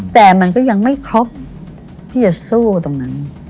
แต่มันก็ยังไม่ครบที่จะสู้ตรงนั้น